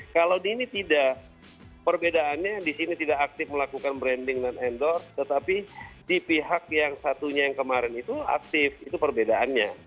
kalau di ini tidak perbedaannya di sini tidak aktif melakukan branding dan endorse tetapi di pihak yang satunya yang kemarin itu aktif itu perbedaannya